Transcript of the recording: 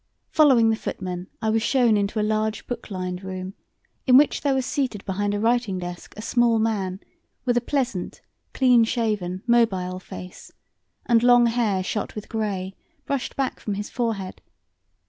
Following the footman, I was shown into a large, book lined room in which there was seated behind a writing desk a small man with a pleasant, clean shaven, mobile face, and long hair shot with grey, brushed back from his forehead.